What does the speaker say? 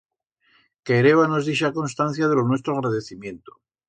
Querébanos dixar constancia de lo nuestro agradecimiento.